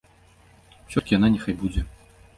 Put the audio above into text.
Усё-ткі яна няхай будзе.